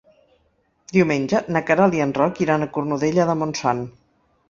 Diumenge na Queralt i en Roc iran a Cornudella de Montsant.